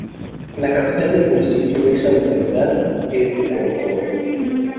La capital del municipio es la localidad de Coro Coro.